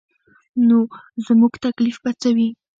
نو زموږ تکلیف به څه وي.